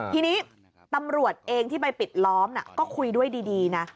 ทีนี้ตำรวจเองที่ไปปิดล้อมก็คุยด้วยดีนะ